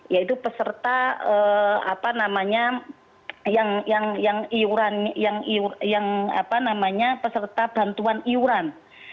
yaitu peserta bantuan iuran